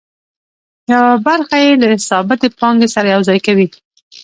یوه برخه یې له ثابتې پانګې سره یوځای کوي